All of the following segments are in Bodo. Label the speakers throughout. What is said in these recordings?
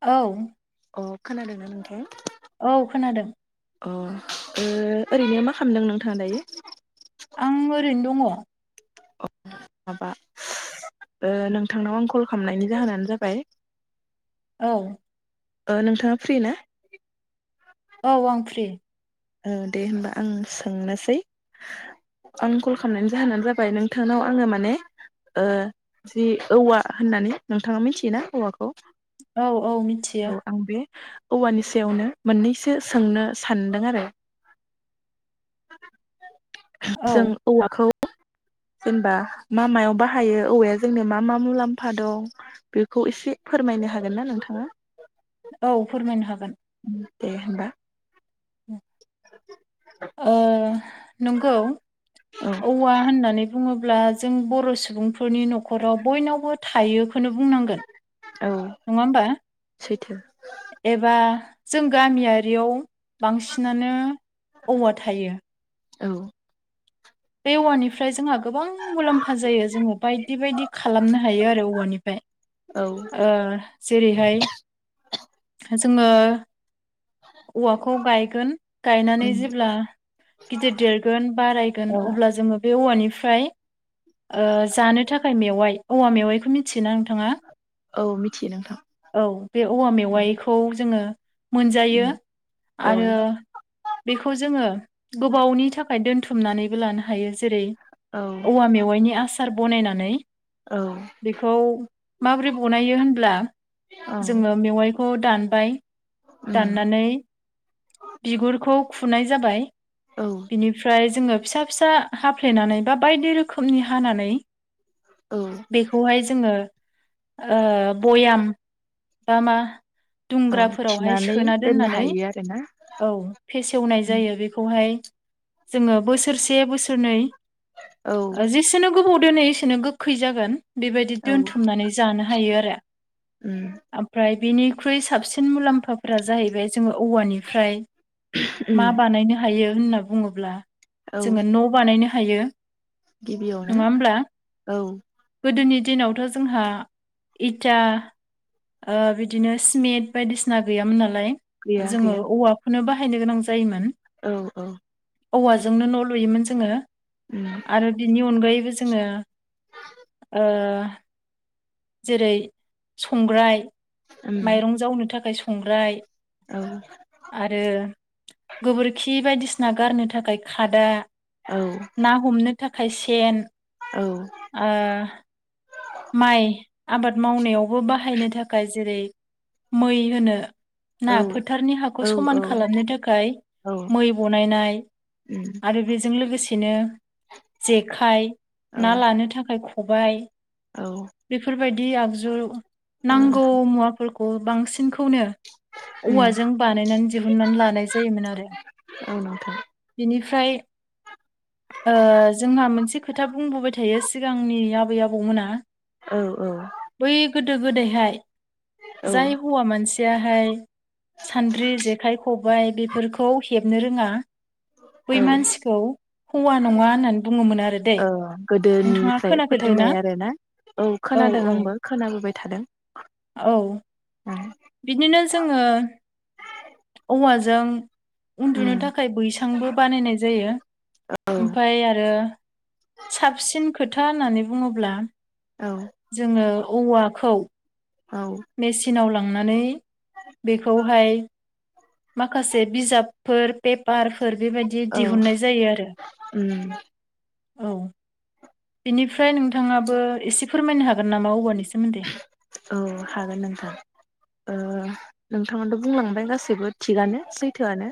Speaker 1: औ।
Speaker 2: अ खोनादोंना नोंथां?
Speaker 1: औ खोनादों।
Speaker 2: अ ओ ओरैनो मा खालामदों नोंथाङा दायो?
Speaker 1: आं ओरैनो दङ।
Speaker 2: अ माबा ओ नोंथांनाव आं कल खालामनायनि जाहोनानो जाबाय
Speaker 1: औ।
Speaker 2: ओ नोंथाङा फ्रि ना?
Speaker 1: औ आं फ्रि।
Speaker 2: ओ दे होनबा आं सोंनोसै आं कल खालामनायनि जाहोनानो जाबाय नोंथांनाव आङो माने ओ जि औवा होननानै नोंथाङा मिथियोना औवाखौ?
Speaker 1: औ औ मिथियो।
Speaker 2: औ आं बे औवानि सायावनो मोननैसो सोंनो सानदों आरो। [inaudible]
Speaker 1: औ
Speaker 2: जों औवाखौ जेनबा मा मायाव बाहायो औवाया जोंनो मा मा मुलाम्फा दं बेखौ एसे फोरमायनो हागोन ना नोंथाङा?
Speaker 1: औ फोरमायनो हागोन।
Speaker 2: दे होनबा।
Speaker 1: ओ
Speaker 2: [inaudible]
Speaker 1: नंगौ
Speaker 2: औ
Speaker 1: औवा होननानै बुङो ब्ला जों बर' सुबुंफोरनि न'खराव बयनावबो थायो खौनो बुंनांगोन
Speaker 2: औ
Speaker 1: नङा हबा
Speaker 2: सैथो
Speaker 1: एबा जों गामियारियाव बांसिनानो औवा थायो।
Speaker 2: औ
Speaker 1: बे औवानिफ्राय जोंहा गोबां मुलाम्फा जायो जोङो बायदि बायदि खालामनो हायो आरो औवानिफ्राय
Speaker 2: औ
Speaker 1: ओ जेरैहाय जोङो औवाखौ गायगोन गायनानै
Speaker 2: उम
Speaker 1: जेब्ला गिदिर देरगोन बारायगोन
Speaker 2: औ
Speaker 1: अब्ला जोङो बे औवानि फ्राय ओ जानो थाखाय मेवाइ औवा मेवायखौ मि थियोना नोंथाङा
Speaker 2: औ मिथियो नोंथां
Speaker 1: औ बे औवा मेवाइखौ जोङो मोनजायो
Speaker 2: उम औ
Speaker 1: आरो बेखौ जोङो गोबावनि थाखाय दोनथुमनानैबो लानो हायो जो जेरै
Speaker 2: औ
Speaker 1: औवा मेव आसार बनायनानै
Speaker 2: औ
Speaker 1: बेखौ माबोरै बनायो होनब्ला
Speaker 2: औ
Speaker 1: जोङो मेवाइ खौ दानबाय
Speaker 2: उम
Speaker 1: दाननानै बिगुरखौ फुनाय जाबाय
Speaker 2: औ
Speaker 1: बिनिफ्राय जोङो फिसा फिसा हाफ्लेनानै बा बायदि रो खोमनि हानानै
Speaker 2: औ
Speaker 1: बेखौहाय जोङो ओ बयाम बा मा
Speaker 2: औ
Speaker 1: दुंग्राफोरावहाय
Speaker 2: थिनानै
Speaker 1: सोना
Speaker 2: दोननो
Speaker 1: दोननानै
Speaker 2: हायो आरोना
Speaker 1: औ फेसेवनाय
Speaker 2: उम
Speaker 1: जायो बेखौहाय जोङो बोसोरसे बोसोरनै
Speaker 2: औ
Speaker 1: ओ जि सेनो गोबाव दोनो एसेनो गोखै जागोन। बेबायदि
Speaker 2: औ
Speaker 1: दोनथुमनानै जानो हायो आरो
Speaker 2: उम
Speaker 1: ओमफ्राय बेनिख्रुइ साबसिन मुलाम्फाफोरा जाहैबाय जोङो औवानिफ्राय मा
Speaker 2: उम
Speaker 1: बानायनो हायो। होनना बुङोब्ला
Speaker 2: औ
Speaker 1: जोङो न' बानायनो हायो। नङा
Speaker 2: गिबियावनो
Speaker 1: होमब्ला
Speaker 2: औ।
Speaker 1: गोदोनि दिनावथ' जोंहा इटा ओ बिदिनो सिमेन्ट बायदिसिना गैयामोन नालाय। लाय
Speaker 2: गैया
Speaker 1: जोङो
Speaker 2: गैया
Speaker 1: औवाखौनो बाहा बाहायनो गोनां जायोमोन।
Speaker 2: औ औ।
Speaker 1: औवाजोंनो न' लुयोमोन जोङो।
Speaker 2: उम
Speaker 1: आरो बिनि अनगायैबो जो जोङो ओ जेरै संग्राय
Speaker 2: उम
Speaker 1: माइरं जावनो थाखाय सं संग्राय
Speaker 2: औ
Speaker 1: आरो गोबोरखि बायदिसिना बायदिसिना गारनो थाखाय खादा।
Speaker 2: औ
Speaker 1: ना हमनो था खाय सेन।
Speaker 2: औ
Speaker 1: ओ माइ आबाद मावनायावबो बाहायनो थाखाय जेरै मै होनो । ना
Speaker 2: औ
Speaker 1: फोथारनि हाखौ
Speaker 2: औ
Speaker 1: समान
Speaker 2: औ
Speaker 1: खालामनो थाखाय मै बनायनाय
Speaker 2: उम
Speaker 1: आरो बेजों लोगोसेनो जेखाइ
Speaker 2: औ
Speaker 1: ना लानो थाखाय ख खबाइ
Speaker 2: औ
Speaker 1: बेफोरबायदि दि आगजु नांगौ मुवा फोरखौ खौ बांसिनखौनो
Speaker 2: उम
Speaker 1: औवाजों बानायनानै दिहुननानै लानाय जायोमोन आरो
Speaker 2: औ नोंथां
Speaker 1: बेनिफ्राय ओ जोंहा मोनसे खोथा बुंबोबाय थायो सिगांनि आब बै आबौमोना। हा
Speaker 2: औ औ।
Speaker 1: दोगो गोदायहाय जाय
Speaker 2: औ
Speaker 1: हौवा मानसियाहाय सान्द्रि जेखाइ खबायाइ बे फोरखौ हेबनो रोङा। बै
Speaker 2: औ
Speaker 1: मानसिखौ हौवा नङा होननानै बुङोमोन आरो दै।
Speaker 2: ओ
Speaker 1: नोंथाङा
Speaker 2: गोदोनिफ्राय
Speaker 1: खोनाफेरदों ना?
Speaker 2: फोथायनाय आरोना औ खोनादों आंबो खोनाबोबाय थादों।
Speaker 1: औ बिदिनो जोङो औवाजों उन्दुनो
Speaker 2: उम
Speaker 1: थाखाय बैसांबो बानायनाय जायो।
Speaker 2: औ
Speaker 1: ओमफ्राय आरो साबसिन खोथा होननानै बुङोब्ला
Speaker 2: औ
Speaker 1: [inaudible] जोङो औवाखौ
Speaker 2: औ
Speaker 1: मेसिनाव लां नानै बेखौहाय माखासे बिजाबफोर पेपार फोर बेबायदि
Speaker 2: औ
Speaker 1: दिहुननाय जायो आरो।
Speaker 2: उम
Speaker 1: औ। बेनिफ्राय नोंथाङाबो एसे फोरमायनो हागोन नामा औवानि सो
Speaker 2: औ हागोन नोंथां [inaudible] ओ नोंथाङानोथ' बुंलांबाय गासैबो थिगआनो सैथोआनो।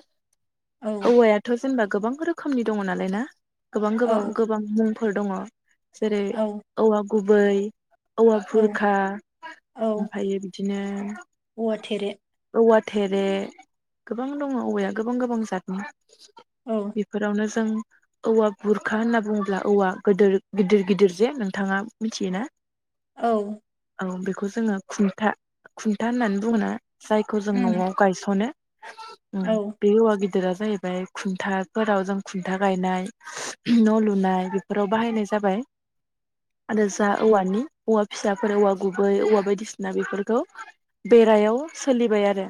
Speaker 1: औ
Speaker 2: औवायाथ' जेनबा गोबां रोखोमनि दङ नालाय ना? गोबां
Speaker 1: औ
Speaker 2: गोबां गोबां मुं फोर दङ। जेरै
Speaker 1: औ
Speaker 2: औवा गुबै औवा
Speaker 1: औ
Speaker 2: बुर खा
Speaker 1: औ
Speaker 2: ओमफायो बिदि बिदिनो
Speaker 1: औवा थेरे
Speaker 2: औवा थेरे गोबां दङ औवाया गोबां गोबां जतनि।
Speaker 1: औ
Speaker 2: बेफोरावनो जों औवा बुरखा होनना बुङोब्ला औवा गोदोर गिदिर गिदिर जे नोंथाङा मिथियो ना?
Speaker 1: औ।
Speaker 2: औ बेखौ जोङो खुन्था खुन्था होननानै बुङोना। जायखौ जों
Speaker 1: उम
Speaker 2: न'आव गायस'नो
Speaker 1: औ
Speaker 2: उम बे औवा गि गोदोरा जाहैबाय खुन्थाफोराव जों खुन्था गायनाय न' लुनाय बेफोराव बाहायनाय जाबाय आरो जा औवानि औवा फिसाफोर औवा गुबै औवा बायदिसिना बेफोरखौ बेरायाव सोलिबाय आरो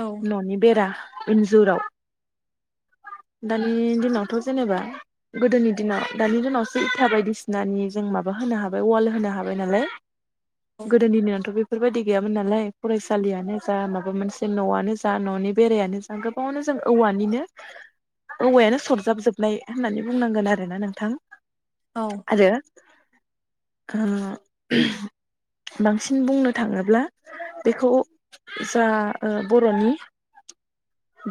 Speaker 1: औ
Speaker 2: न'नि बेरा इन्जुराव दानि दिनावथ' जेनेबा गोदोनि दिनाव दानि दिनावसो इथा बायदिसिनानि जों माबा होनो हाबाय वाल होनो हाबाय नालाय गोदोनि दिननियाथ' बे बेफोरबायदि गैयामोन नालाय फरायसालियानो जा माबा मोनसे न'आनो जा न'नि बेरायानो जा गोबावनो जों औवानिनो औवायानो सरजाब जोबनाय होननानै बुंनांगोन आरोना नोंथां
Speaker 1: औ
Speaker 2: आरो ओ बांसिन बुंनो थाङोब्ला बेखौ जा ओ बर'नि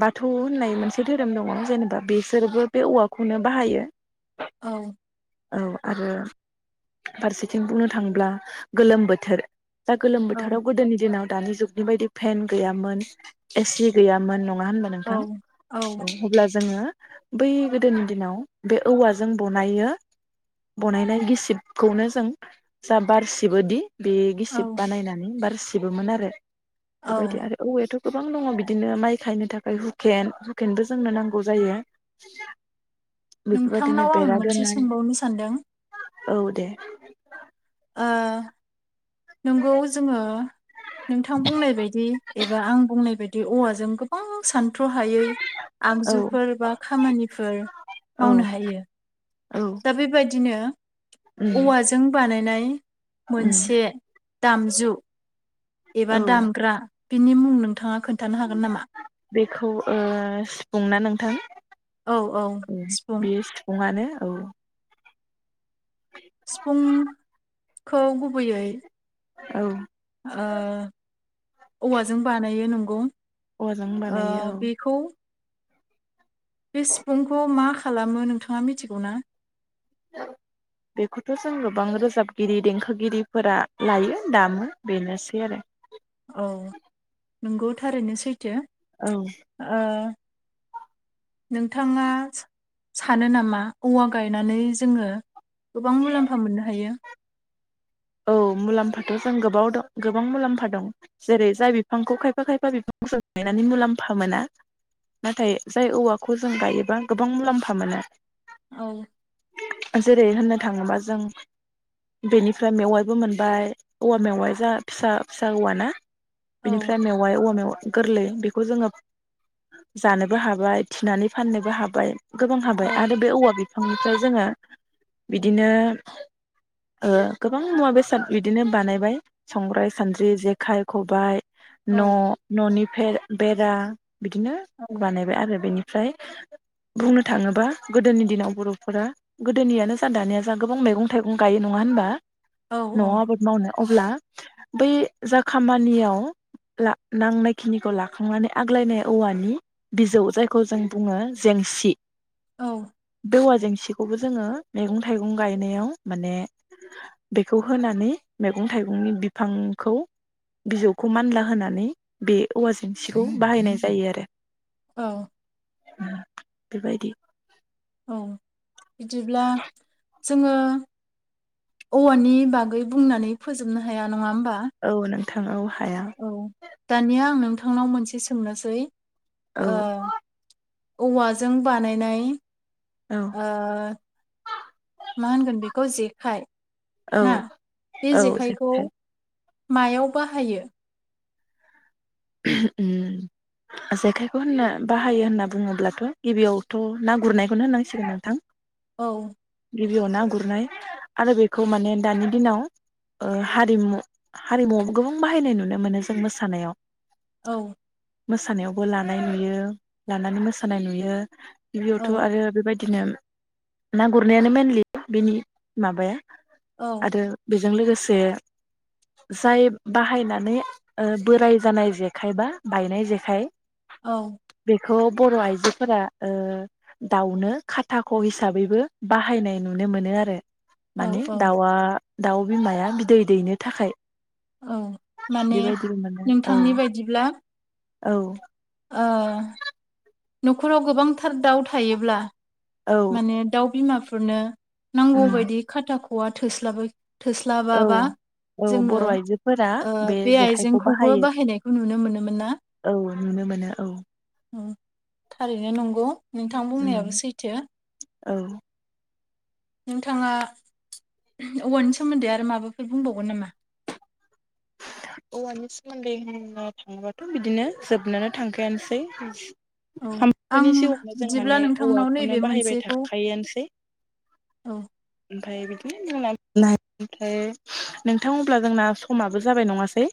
Speaker 2: बाथौ होननाय मोनसे धोरोम दङ जेनेबा बिसोरबो बे औवाखौनो बाहायो
Speaker 1: औ
Speaker 2: औ आरो फारसेथिं बुंनो थांब्ला गोलोम बोथोर दा गोलोम
Speaker 1: औ
Speaker 2: बोथोराव गोदोनि दिनाव दानि जुग बेबायदि फेन गैयामोन एसि गैयामोन नङा होनबा
Speaker 1: औ
Speaker 2: नोंथां
Speaker 1: औ
Speaker 2: अब्ला जोङो बै गोदोनि दिनाव बे औवाजों ब'नायो बनायनाय गिसिबखौनो जों जा बारसिबोदि बे गिसिब
Speaker 1: औ
Speaker 2: बानायनानै बारसि सिबोमोन आरो
Speaker 1: औ
Speaker 2: बेबायदि आरो औवायथ' गोबां दङ बिदिनो माइ खायनो थाखाय हुखेन हुखेनबो जोंनो नांगौ जायो बेफोरबायदिनो
Speaker 1: नोंथांनाव आं
Speaker 2: बेरा
Speaker 1: मोनसे
Speaker 2: दोननाय
Speaker 1: सोंबावनो सानदों?
Speaker 2: औ दे
Speaker 1: ओ नंगौ जोङो नोंथां बुंनाय बायदि एबा आं बुंनाय बायदि औवाजों गोबां सान थथ्र' हायै
Speaker 2: औ
Speaker 1: आगजुफोर बा खामानिफोर
Speaker 2: औ
Speaker 1: मावनो हायो
Speaker 2: औ
Speaker 1: दा बेबायदिनो
Speaker 2: उम
Speaker 1: औवाजों बानाय नाय
Speaker 2: उम
Speaker 1: मोनसे दामजु एबा
Speaker 2: औ
Speaker 1: दामग्रा बिनि मुं नोंथाङा खोन
Speaker 2: बेखौ ओ सिफुंना नोंथां?
Speaker 1: औ औ सिफुं
Speaker 2: बेयो सिफुङानो औ।
Speaker 1: सिफुं खौ गुबैयै
Speaker 2: औ
Speaker 1: ओ औवाजों बानायो नंगौ।
Speaker 2: औवाजों
Speaker 1: ओ
Speaker 2: बानायो औ
Speaker 1: बेखौ बे सिफुंखौ मा खालामो नोंथाङा मिथिगौ ना?
Speaker 2: बेखौथ' जोंबो बां रोजाबगिरि देंखोगिरिफोरा लायो दामो बेनोसै आरो
Speaker 1: नोंगौ थारैनो सै थो
Speaker 2: औ
Speaker 1: ओ नोंथाङा सा-सानो नामा औवा गायनानै जोङो गोबां मुलाम्फा मोननो हायो
Speaker 2: औ मुलाम्फाथ' जों गोबाव दं गोबां मुलाम्फा दं जेरै जाय बिफांखौ खायफा खायफा बिफांखौ जोन गायनानै मुलाम्फा मोना नाथाय जाय औवाखौ जों गायोबा गोबां मुलाम्फा मोनो।
Speaker 1: औ
Speaker 2: जेरै होननो थाङोबा जों बेनि ओमफ्राय मेवाइबो मोनबाय औवा मेवाइ जों फिसा फिसा औव ना?
Speaker 1: औ
Speaker 2: बिनिफ्राय मेवाइ औवा मेवाइ। गोरलै बेखौ जोङो जानोबो हाबाय थिनानै फाननोबो हाबाय। गोबां
Speaker 1: औ
Speaker 2: हाबाय आरो बे औवा बि बिनिफ्राय जोङो बिदिनो ओ गोबां मुवा बेसाद बिदिनो बानायबाय संग्राय सानद्रि जेखाइ खबाइ
Speaker 1: औ
Speaker 2: न' न'नि फेर बेरा बिदिनो
Speaker 1: औ
Speaker 2: बानायबाय आरो बेनिफ्राय बुंनो थाङोबा गोदोनि दिनाव बर'फोरा गोदोनियानो जा दानियानो जा गोबां मैगं थाइगं गायनो नङा होमबा
Speaker 1: औ
Speaker 2: न' आबोद मावनो अब्ला बै जा खामानियाव ला नांनाय खिनिखौ लाखांनानै आग्लायनाय औवानि बिजौ जायखौ जों बुङो जेंसि।
Speaker 1: औ
Speaker 2: औवा जेंसिखौबो जोङो मैगं-थाइगं गायनायाव माने बेखौ होनानै मैगं थाइगंनि बिफांखौ बिजौखौ मानला होनानै बे औवा जेंसिखौ बाहायनाय जायो आरो।
Speaker 1: औ
Speaker 2: बेबायदि
Speaker 1: औ बिदिब्ला जोङो औवानि बागै बुंनानै फोजोबनो हाया
Speaker 2: औ नों थाङाव हा
Speaker 1: औ दानिया आं नोंथां थांनाव मोनसे सोंनोसै
Speaker 2: औ
Speaker 1: ओ औवाजों बानायनाय
Speaker 2: औ
Speaker 1: ओ मा होनगोन बेखौ जेखाय।
Speaker 2: औ
Speaker 1: ना बे
Speaker 2: औ
Speaker 1: जेखाइखौ
Speaker 2: जेखाइ
Speaker 1: मायाव बाहायो?
Speaker 2: जेखायखौ होनना बाहायो होनना बुङोब्लाथ' गिबियावथ' ना गुरनायखौनो होननांसिगोन नोंथां।
Speaker 1: औ।
Speaker 2: गिबियाव ना गुरनाय आरो बेखौ माने दानि दिनाव ओ हारिमु हारिमुवावबो गोबां बाहायनाय नुनो मोनो जों मोसानायाव।
Speaker 1: औ
Speaker 2: मोसानायावबो लानाय नुयो लानानै मोसानाय नुयो।
Speaker 1: औ
Speaker 2: गिबियावथ' आरो बेबाद दिनो ना गुरनायानो मेनलि बिनि माबाया।
Speaker 1: औ
Speaker 2: आरो बे जों लोगोसे जाय बाहायनानै ओ बोराय जानाय जेखाय बा बायनाय जेखाइ
Speaker 1: औ
Speaker 2: खौ बर' आइजोफोरा ओ दाउनो खाथाख' हिसाबैबो बाहायनाय नुनो मोनो आरो। माने
Speaker 1: औ औ
Speaker 2: दाउआ दाउ बिमाया बिदै दैनो थाखाय
Speaker 1: औ माने
Speaker 2: बेबायदिबो मोनो औ
Speaker 1: नोंथांनि बायदिब्ला
Speaker 2: औ।
Speaker 1: ओ न'खराव गोबांथार दाउ थायोब्ला
Speaker 2: औ
Speaker 1: माने दाउ बिमा फोरनो नांगौ
Speaker 2: उम
Speaker 1: बायदि खाथाख' खवा थोस्लाबै
Speaker 2: औ
Speaker 1: थोस्लाबाबा
Speaker 2: औ
Speaker 1: जोङो
Speaker 2: बर' आइजोफोरा
Speaker 1: ओ बे
Speaker 2: जेखाइखौ
Speaker 1: आइजेंखौबो
Speaker 2: बाहायो
Speaker 1: बाहायनायखौ नुनो मोनोमोन ना?
Speaker 2: औ नुनो मोनो औ।
Speaker 1: उम थारैनो नंगौ। नोंथां
Speaker 2: उम
Speaker 1: बुंनायाबो सैथो।
Speaker 2: औ।
Speaker 1: नोंथाङा औवानि सोमोन्दै आरो माबाफोर बुंबावगोन नामा?
Speaker 2: औवानि सोमोन्दै होननो थाङोबाथ' बिदिनो जोबनोनो थांखायानोसै।
Speaker 1: औ आं
Speaker 2: हामफोनि जिउआवनो जों माने
Speaker 1: बिदिब्ला नोंथांनाव
Speaker 2: औवाखौनो
Speaker 1: नैबे
Speaker 2: बाहायबाय
Speaker 1: मोनसेखौ
Speaker 2: थाखायोआनोसै।
Speaker 1: औ
Speaker 2: [unintelligible] नोंथां अब्ला जोंना समाबो जाबाय नङासै?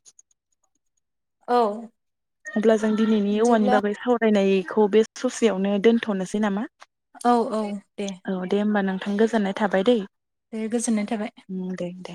Speaker 1: औ।
Speaker 2: अब्ला जो जों दिनैनि औवानि
Speaker 1: बिदिब्ला
Speaker 2: बागै सावरायनाय खौ बे ससेयावनो दोनथ'नोसै नामा?
Speaker 1: औ औ दे।
Speaker 2: औ दे होमबा गोजोननाय थाबाय दै।
Speaker 1: दे गोजोननाय थाबाय।
Speaker 2: उम दे दे